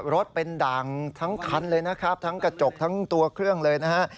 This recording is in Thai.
รถเป็นด่างทั้งคันเลยนะครับทั้งกระจกทั้งตัวเครื่องเลยนะฮะ